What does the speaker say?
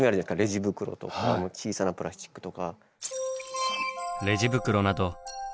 レジ袋とか小さなプラスチックとか。